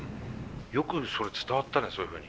よくそれ伝わったねそういうふうに。